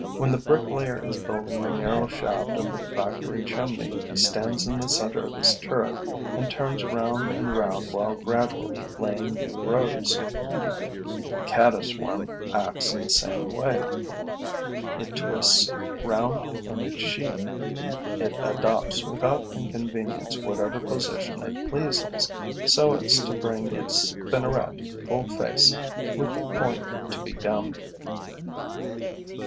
When the bricklayer is building the narrow shaft of a factory chimney, he stands in the center of his turret and turns round and round while gradually laying new rows. The caddis worm acts in the same way. It twists round in its sheath; it adopts without inconvenience whatever position it pleases, so as to bring its spinneret full face with the point to be gummed.